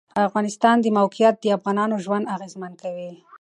د افغانستان د موقعیت د افغانانو ژوند اغېزمن کوي.